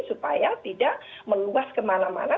supaya tidak meluas kemana mana